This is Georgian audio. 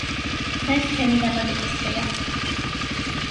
დღეს ჩემი დაბადებისდღეა